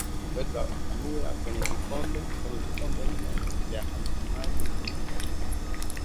weka hamira kwenye vikombe nne vya maji ya uvuguvugu